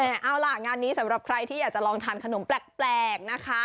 แต่เอาล่ะงานนี้สำหรับใครที่อยากจะลองทานขนมแปลกนะคะ